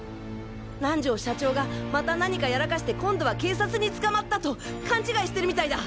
南條社長がまた何かやらかして今度は警察に捕まったと勘違いしてるみたいだ！